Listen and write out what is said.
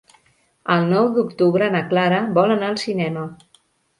El nou d'octubre na Clara vol anar al cinema.